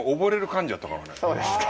そうですか。